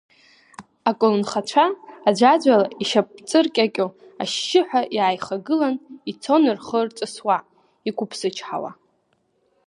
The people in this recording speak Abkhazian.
Аколнхацәа аӡәаӡәала ишьапҵыркьакьо, ашьшьыҳәа иааихагыланы ицон рхы рҵысуа, иқәыԥсычҳауа.